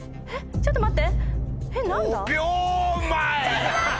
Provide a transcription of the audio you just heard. ちょっと待って！